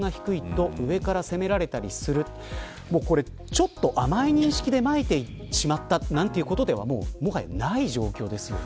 ちょっと甘い認識でまいてしまったということではもはやない状況です。